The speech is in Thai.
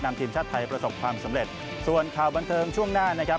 ทีมชาติไทยประสบความสำเร็จส่วนข่าวบันเทิงช่วงหน้านะครับ